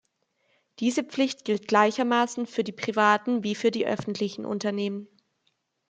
Diese Pflicht gilt gleichermaßen für die privaten wie für die öffentlichen Unternehmen.